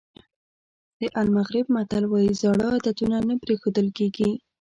د المغرب متل وایي زاړه عادتونه نه پرېښودل کېږي.